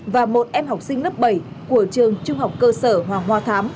và một em học sinh lớp bảy của trường trung học cơ sở hoàng hoa thám